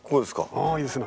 あいいですね。